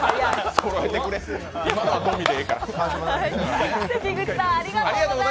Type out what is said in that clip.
そろえてくれ、今のはドミでいいから。